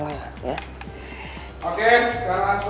oke sekarang soalnya udah dapet semua